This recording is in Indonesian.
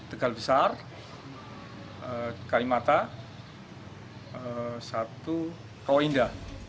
tegal besar kalimata rwinda